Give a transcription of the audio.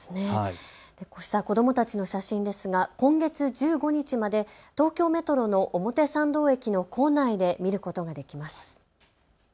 こうした子どもたちの写真ですが今月１５日まで東京メトロの表参道駅の構内で見ることができます。